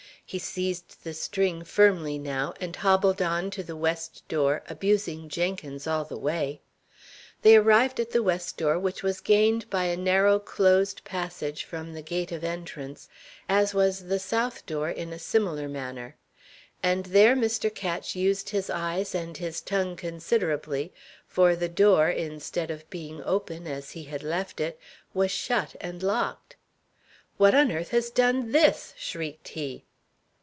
He seized the string firmly now, and hobbled on to the west door, abusing Jenkins all the way. They arrived at the west door, which was gained by a narrow closed passage from the gate of entrance, as was the south door in a similar manner; and there Mr. Ketch used his eyes and his tongue considerably, for the door, instead of being open, as he had left it, was shut and locked. "What on earth has done this?" shrieked he.